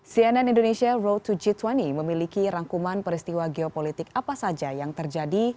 cnn indonesia road to g dua puluh memiliki rangkuman peristiwa geopolitik apa saja yang terjadi